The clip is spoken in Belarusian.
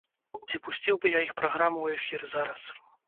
Ці пусціў бы я іх праграму ў эфір зараз?